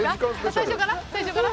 最初から？